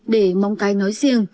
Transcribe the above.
để mong cái nói riêng